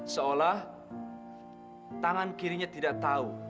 seolah tangan kirinya tidak tahu